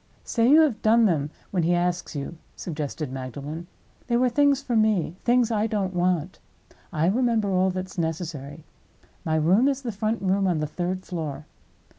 "Say you have done them when he asks you," suggested Magdalen. "They were things for me—things I don't want. I remember all that is necessary. My room is the front room on the third floor.